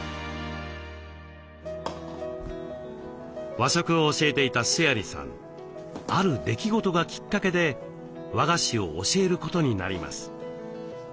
和食を教えていた須鑓さんある出来事がきっかけで和菓子を教えることになります。